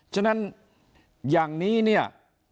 ฉะนั้นอย่างนี้เนี่ย